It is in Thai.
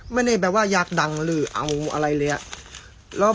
ไม่ได้แบบว่าอยากดังหรือเอาอะไรเลยอะ